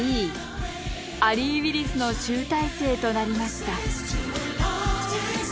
アリー・ウィリスの集大成となりました